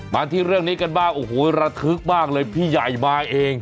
มาที่เรื่องนี้กันบ้างโอ้โหระทึกมากเลยพี่ใหญ่มาเอง